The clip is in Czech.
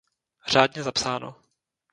Řádně zapsáno.